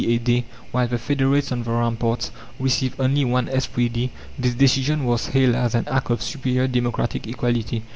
a day, while the Federates on the ramparts received only 1s. 3d., this decision was hailed as an act of superior democratic equality.